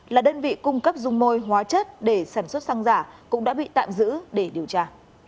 là đơn vị cung cấp dung môi hóa chất để sản xuất xăng giả cũng đã bị tạm giữ để điều tra